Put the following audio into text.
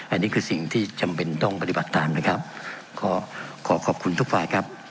อันนี้คือสิ่งที่จำเป็นต้องปฏิบัติตามนะครับขอขอบคุณทุกฝ่ายครับ